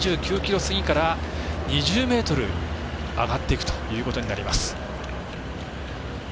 ２９ｋｍ過ぎから２０ｍ上がっていくということになります。